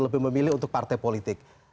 lebih memilih untuk partai politik